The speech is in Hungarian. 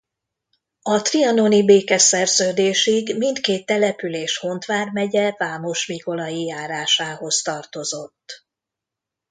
A trianoni békeszerződésig mindkét település Hont vármegye Vámosmikolai járásához tartozott.